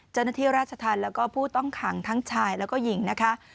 เจ้าหน้าที่ราชธรรมแล้วก็ผู้ต้องขังทั้งชายแล้วก็หญิงนะคะ